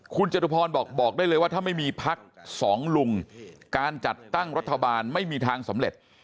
คุณจตุพรบอกบอกได้เลยว่าถ้าไม่มีพักสองลุงการจัดตั้งรัฐบาลไม่มีทางสำเร็จ